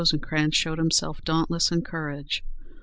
General Rosecrans showed himself dauntless in courage.